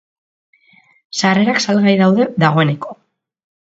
Sarrerak salgai daude dagoeneko.